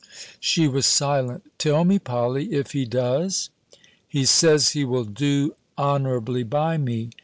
She was silent. "Tell me, Polly, if he does?" "He says he will do honourably by me."